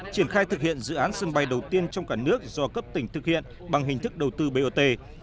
triển khai thực hiện dự án sân bay đầu tiên trong cả nước do cấp tỉnh thực hiện bằng hình thức đầu tư bot